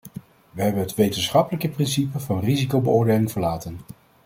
We hebben het wetenschappelijke principe van risicobeoordeling verlaten.